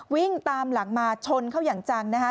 วิ่งตามหลังมาชนเขาอย่างจังนะคะ